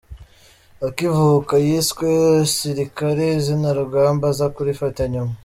Akivuka yiswe Sirikare izina Rugamba aza kurifata nyuma.